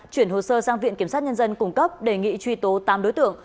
chuyển hồ sơ sang viện kiểm sát nhân dân cung cấp đề nghị truy tố tám đối tượng